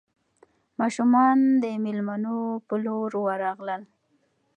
ماشومان د مېلمنو په لور ورغلل.